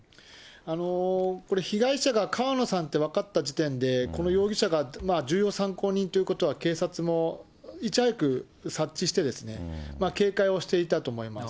これ、被害者が川野さんって分かった時点で、この容疑者が重要参考人ということは、警察もいち早く察知して、警戒をしていたと思います。